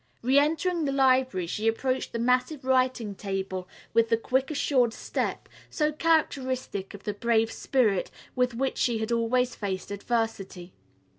Re entering the library she approached the massive writing table with the quick assured step, so characteristic of the brave spirit with which she had always faced adversity.